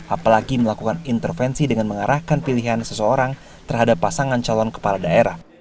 apalagi melakukan intervensi dengan mengarahkan pilihan seseorang terhadap pasangan calon kepala daerah